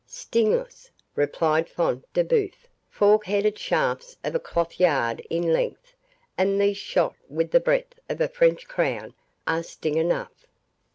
"Stingless!" replied Front de Bœuf; "fork headed shafts of a cloth yard in length, and these shot within the breadth of a French crown, are sting enough."